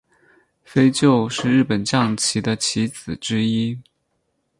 飞鹫是日本将棋的棋子之一。